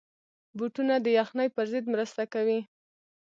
بوټونه د یخنۍ پر ضد مرسته کوي.